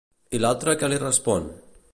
I l'altre què li respon?